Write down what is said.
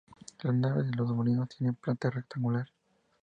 La nave de molinos tiene planta rectangular.